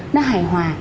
nó hài hòa